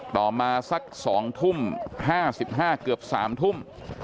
ต่อมาสักสองทุ่ม๕๕เกือบสามทุ่ม